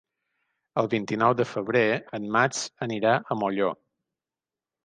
El vint-i-nou de febrer en Max anirà a Molló.